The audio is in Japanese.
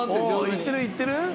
行ってる行ってる？